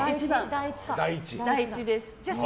第一です。